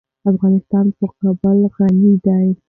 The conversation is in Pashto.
افغانستان په کابل غني دی.